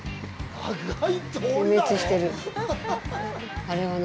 はい。